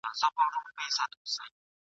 د سر خیرات به مي پانوس ته وي در وړی وزر !.